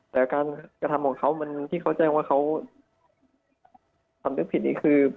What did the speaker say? แต่การกระทำของเขาที่เขาแจ้งว่าเขาสำนึกผิดนี่คือ